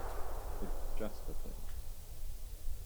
It's just the thing.